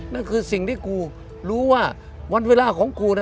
นั่นคือสิ่งที่กูรู้ว่าวันเวลาของกูนะ